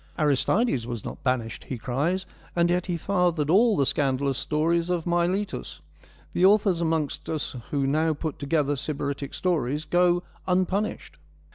' Aristides was not banished,' he cries, * and yet he fathered all the scandalous stories of Miletus : the authors amongst us who now put together Sybaritic stories go unpunished.'